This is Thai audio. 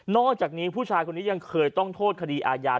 อกจากนี้ผู้ชายคนนี้ยังเคยต้องโทษคดีอาญา